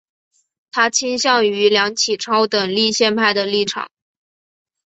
他倾向于梁启超等立宪派的立场。